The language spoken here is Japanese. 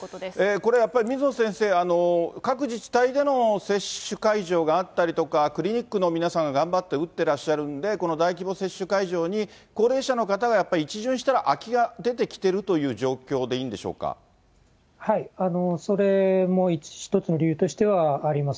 これ、やっぱり水野先生、各自治体での接種会場があったりとか、クリニックの皆さんが頑張って打ってらっしゃるんで、この大規模接種会場に、高齢者の方がやっぱり一巡したら空きが出ているという状況でいいそれも一つの理由としてはあります。